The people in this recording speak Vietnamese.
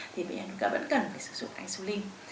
thì bệnh nhân vẫn cần phải sử dụng insulin